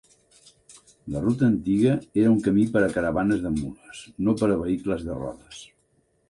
La ruta antiga era un camí per a caravanes de mules, no per a vehicles de rodes.